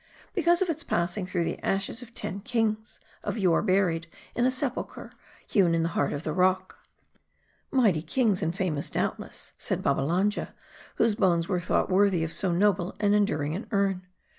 " Because of its passing through the ashes of ten kings, of yore buried in a sepulcher, hewn in the heart of the rock." " Mighty kings, and famous, doubtless," said Babbalanja, " whose bones were thought worthy of so noble and enduring an urn.